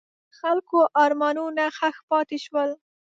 د خلکو ارمانونه ښخ پاتې شول.